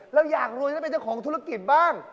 เราอยากรวยแล้วเป็นเจ้าของธุรกิจบ้าง